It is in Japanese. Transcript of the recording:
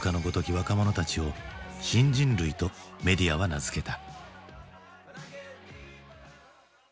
若者たちを「新人類」とメディアは名付けた。